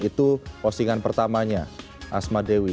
itu postingan pertamanya asma dewi